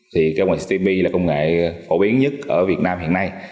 thì công nghệ ctb là công nghệ phổ biến nhất ở việt nam hiện nay